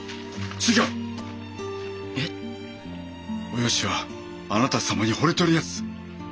およしはあなた様にほれておりやす！